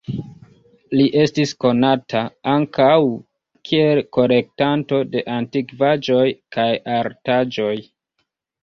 Li estis konata ankaŭ kiel kolektanto de antikvaĵoj kaj artaĵoj.